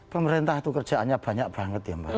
pemerintah itu kerjaannya banyak banget ya mbak